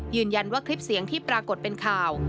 ยืนยันว่าคลิปเสียงที่ปรากฏเป็นข่าว